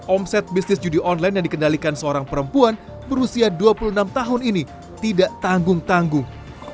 omset bisnis judi online yang dikendalikan seorang perempuan berusia dua puluh enam tahun ini tidak tanggung tanggung